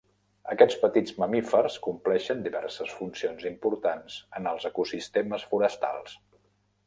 Aquests petits mamífers compleixen diverses funcions importants en els ecosistemes forestals.